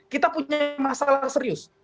kita punya masalah serius